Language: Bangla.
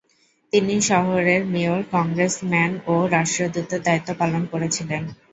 তিনি শহরের মেয়র, কংগ্রেসম্যান ও রাষ্ট্রদূতের দ্বায়িত্ব পালন করেছিলেন।